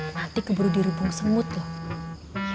mati keburu dirubung semut loh